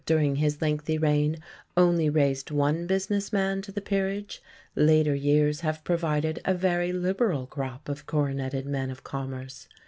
during his lengthy reign only raised one business man to the Peerage, later years have provided a very liberal crop of coroneted men of commerce.